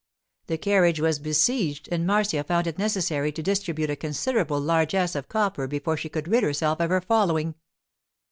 The carriage was besieged, and Marcia found it necessary to distribute a considerable largess of copper before she could rid herself of her following.